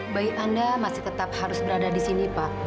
bayi anda masih tetap harus berada di sini pak